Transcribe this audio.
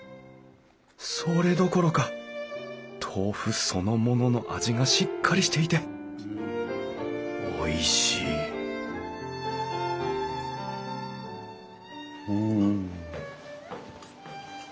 それどころか豆腐そのものの味がしっかりしていておいしいうん。